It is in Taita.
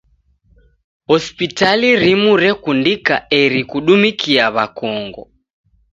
Hospitali rimu rekundika eri kudumikia w'akongo.